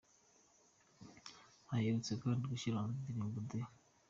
Aherutse kandi gushyira hanze indirimbo ‘The